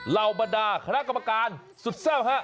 เรามาด่าคณะกรรมการสุดแซ่ว